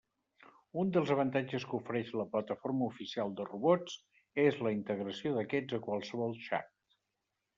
Un dels avantatges que ofereix la plataforma oficial de robots és la integració d'aquests a qualsevol xat.